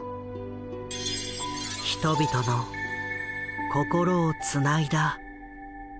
人々の心をつないだスピーチ。